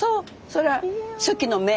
それは初期の芽。